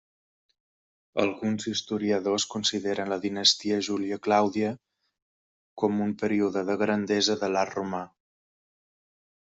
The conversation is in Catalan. Alguns historiadors consideren la dinastia Júlia-Clàudia com un període de grandesa de l'art romà.